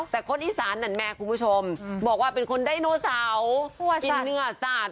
แต่คนอีสานแหมคุณผู้ชมบอกว่าเป็นคนไดโนเสากินเนื้อสัตว์